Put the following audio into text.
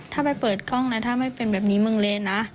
ถ้าไปเปิดกล้องนะถ้าไม่เป็นแบบนี้มึงเรียนนะ